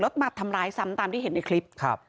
รถมัดทำร้ายซ้ำตามที่เห็นในคลิป